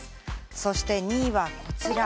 そして２位はこちら。